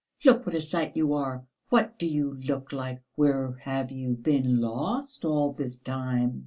Look what a sight you are! What do you look like? Where have you been lost all this time?